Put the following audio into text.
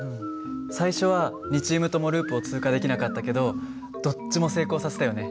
最初は２チームともループを通過できなかったけどどっちも成功させたよね。